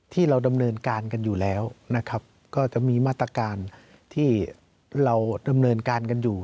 ที่เราดำเนินการกันอยู่แล้วนะครับก็จะมีมาตรการที่เราดำเนินการกันอยู่